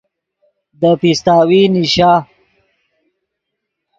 دے پیستاوی نیشا